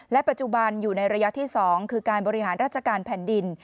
ปัจจุบันอยู่ในระยะที่๒คือการบริหารราชการแผ่นดิน